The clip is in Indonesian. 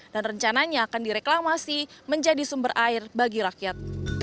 dan rencananya akan direklamasi menjadi sumber air bagi rakyat